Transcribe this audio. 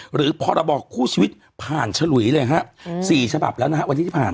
พรบคู่ชีวิตผ่านฉลุยเลยฮะ๔ฉบับแล้วนะฮะวันนี้ที่ผ่าน